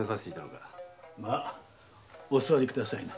まあお座りください。